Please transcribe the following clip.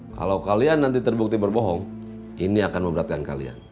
kalau kalian nanti terbukti berbohong ini akan memberatkan kalian